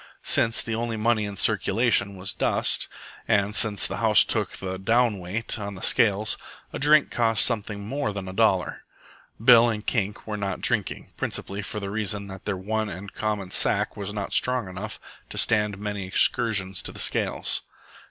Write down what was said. Since the only money in circulation was dust, and since the house took the "down weight" on the scales, a drink cost something more than a dollar. Bill and Kink were not drinking, principally for the reason that their one and common sack was not strong enough to stand many excursions to the scales.